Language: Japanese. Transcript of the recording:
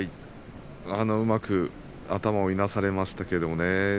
うまく頭をいなされましたね。